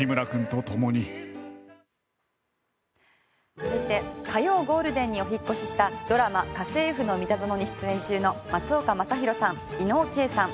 続いて火曜ゴールデンにお引っ越ししたドラマ「家政夫のミタゾノ」に出演中の松岡昌宏さん、伊野尾慧さん